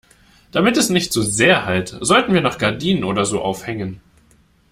Damit es nicht so sehr hallt, sollten wir noch Gardinen oder so aufhängen.